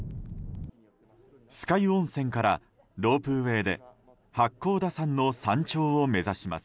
酸ヶ湯温泉からロープウェーで八甲田山の山頂を目指します。